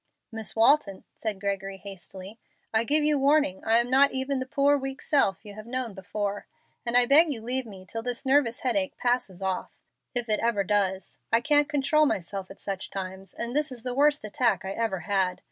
"Miss Waiton," said Gregory, hastily, "I give you warning. I am not even the poor weak self you have known before, and I beg you leave me till this nervous headache passes off, if it ever does. I can't control myself at such times, and this is the worst attack I ever had.